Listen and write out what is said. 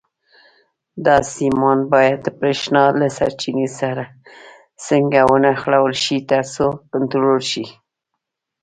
دا سیمان باید د برېښنا له سرچینې سره څنګه ونښلول شي ترڅو کنټرول شي.